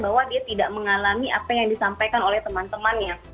bahwa dia tidak mengalami apa yang disampaikan oleh teman temannya